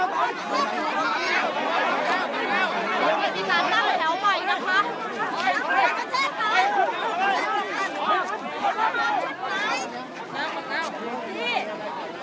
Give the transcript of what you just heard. เราไม่จะว่าคัตตัวใครน้องเอาให้เข้ามาเกี่ยวข้อตามข้อมูล